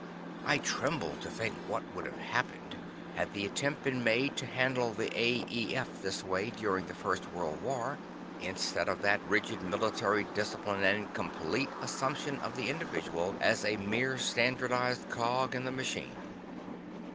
I tremble to think what would have happened, had the attempt been made to handle the A. E. F. this way during the First World War, instead of by that rigid military discipline and complete assumption of the individual as a mere standardized cog in the machine.